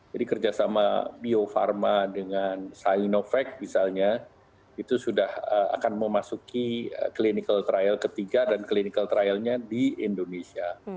jadi kerjasama bio farma dengan sinovac misalnya itu sudah akan memasuki clinical trial ketiga dan clinical trialnya di indonesia